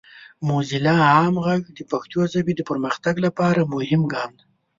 موزیلا عام غږ د پښتو ژبې پرمختګ لپاره یو مهم ګام دی.